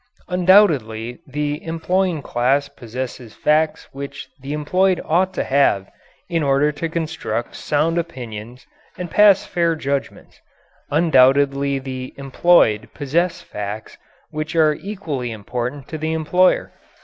Undoubtedly the employing class possesses facts which the employed ought to have in order to construct sound opinions and pass fair judgments. Undoubtedly the employed possess facts which are equally important to the employer.